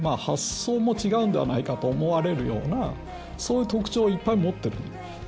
発想も違うんではないかと思われるようなそういう特徴をいっぱい持ってる。